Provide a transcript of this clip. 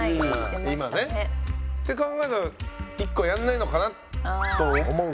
今ね。って考えたらＩＫＫＯはやらないのかなと思うけど。